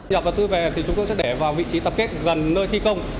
nhập vật tư về thì chúng tôi sẽ để vào vị trí tập kết gần nơi thi công